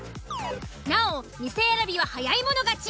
なお店選びは早い者勝ち。